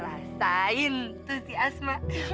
rasain tuh si asma